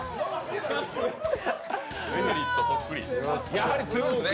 やはり強いですね。